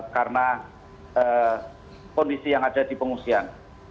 karena kondisi yang ada di pengungsian